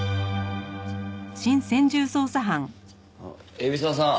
海老沢さん